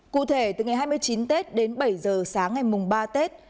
cụ thể từ ngày hai mươi chín tết đến bảy giờ sáng ngày mùng ba tết